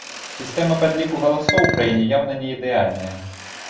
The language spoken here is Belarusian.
Сістэма падліку галасоў у краіне яўна не ідэальная.